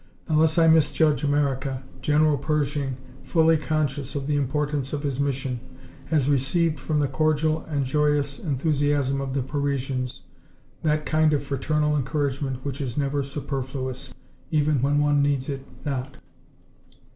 Unless I misjudge America, General Pershing, fully conscious of the importance of his mission, has received from the cordial and joyous enthusiasm of the Parisians that kind of fraternal encouragement which is never superfluous, even when one needs it not.